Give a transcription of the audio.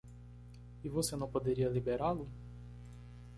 E você não poderia liberá-lo?